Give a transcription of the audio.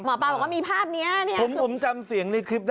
หมอปลามีภาพเนี้ย